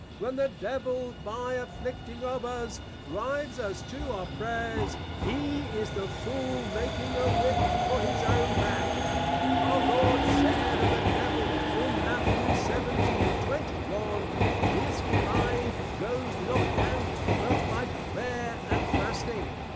When the Devil by Afflicting of us, drives us to our Prayers, he is The Fool making a Whip for his own Back. Our Lord said of the Devil in Matt. 17.21. _This Kind goes not out, but by Prayer and Fasting.